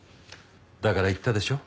だから言ったでしょ。